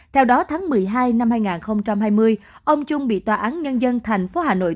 theo đó tháng một mươi hai năm hai nghìn hai mươi ông trung bị tòa án nhân dân tp hà nội